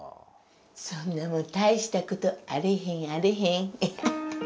そんなもん大した事あれへんあれへん。